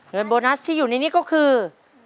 โบนัสที่อยู่ในนี้ก็คือ